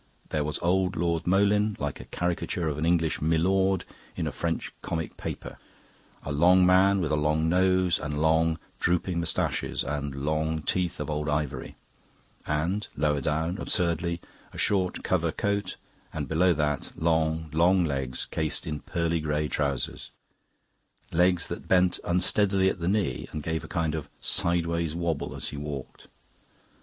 There was old Lord Moleyn, like a caricature of an English milord in a French comic paper: a long man, with a long nose and long, drooping moustaches and long teeth of old ivory, and lower down, absurdly, a short covert coat, and below that long, long legs cased in pearl grey trousers legs that bent unsteadily at the knee and gave a kind of sideways wobble as he walked.